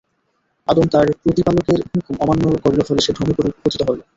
আদম তার প্রতিপালকের হুকুম অমান্য করল, ফলে সে ভ্রমে পতিত হলো।